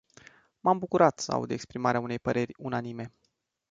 M-am bucurat să aud exprimarea unei păreri unanime.